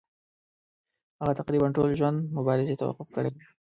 هغه تقریبا ټول ژوند مبارزې ته وقف کړی وو.